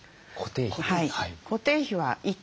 はい。